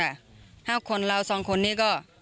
ห้าหกคนเราสองคนนี้ก็